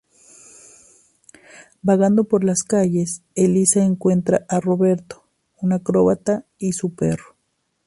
Vagando por las calles, Elisa encuentra a Roberto, un acróbata, y su perro.